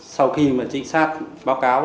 sau khi mà trinh sát báo cáo